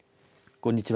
こんにちは。